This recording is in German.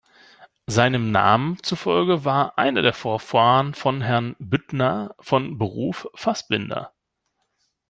Seinem Namen zufolge war einer der Vorfahren von Herrn Büttner von Beruf Fassbinder.